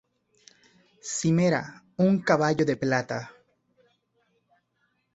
Cimera: Un caballo de plata.